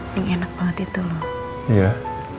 yang enak banget itu loh